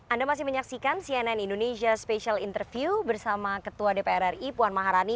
anda masih menyaksikan cnn indonesia special interview bersama ketua dpr ri puan maharani